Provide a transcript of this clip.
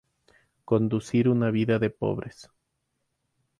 Conducir una vida de pobres.